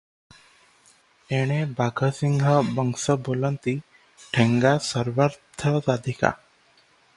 ଏଣେ ବାଘସିଂହ ବଂଶ ବୋଲନ୍ତି, "ଠେଙ୍ଗା ସର୍ବାର୍ଥସାଧିକା"।